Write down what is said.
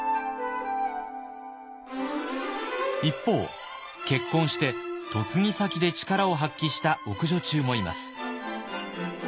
一方結婚して嫁ぎ先で力を発揮した奥女中もいます。